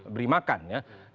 beri makan ya